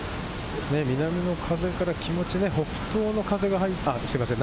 南の風から気持ち、北東の風が、失礼しました。